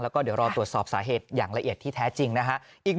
แล้วก็เดี๋ยวรอตรวจสอบสาเหตุอย่างละเอียดที่แท้จริงนะฮะ